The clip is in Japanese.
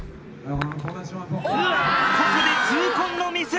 ここで痛恨のミス！